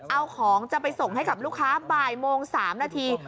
เอาของจะไปส่งให้กับลูกค้าบ่ายโมง๓นาที